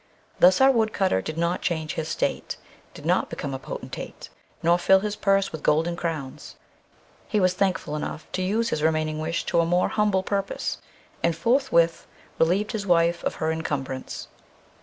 Thus our woodcutter did not change his state, did not become a potentate, nor fill his purse with golden crowns. He was thankful enough to use his remaining wish to a more humble purpose, and forthwith relieved his wife of her encumbrance.